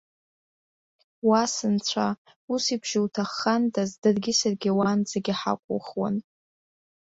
Уа сынцәа! Ус еиԥш иуҭаххандаз даргьы саргьы уаанӡагьы ҳақәухуан.